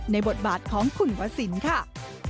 บทบาทของคุณวสินค่ะ